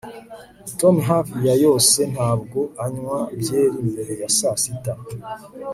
Tom hafi ya yose ntabwo anywa byeri mbere ya saa sita